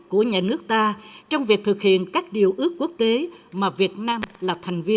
của nhà nước ta trong việc thực hiện các điều ước quốc tế mà việt nam là thành viên